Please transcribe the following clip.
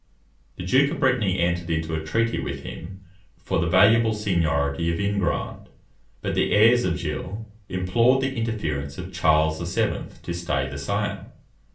The Duke of Brittany entered into a treaty with him for the valuable seignory of Ingrande; but the heirs of Gilles implored the interference of Charles VII. to stay the sale.